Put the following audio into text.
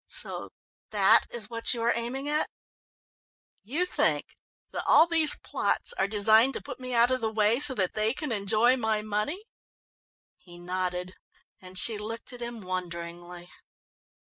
"So that is what you are aiming at? You think that all these plots are designed to put me out of the way so that they can enjoy my money?" He nodded, and she looked at him wonderingly.